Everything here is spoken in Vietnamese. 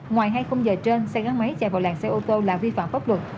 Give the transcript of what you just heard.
ngoài hai khung giờ trên xe gắn máy chạy vào làng xe ô tô là vi phạm pháp luật